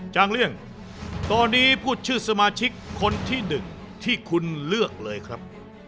จางเลี่ยงตอนนี้พูดชื่อสมาชิกคนที่๑ที่คุณเลือกเลยครับ